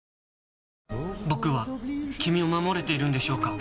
僕は君を守れているんでしょうか？